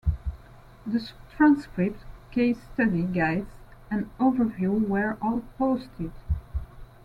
The transcripts, case study guides and overview were all posted.